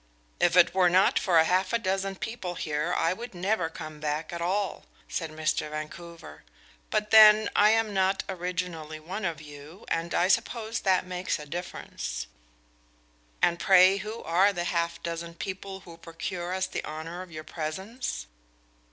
"If it were not for half a dozen people here, I would never come back at all," said Mr. Vancouver. "But then, I am not originally one of you, and I suppose that makes a difference." "And pray, who are the half dozen people who procure us the honor of your presence?"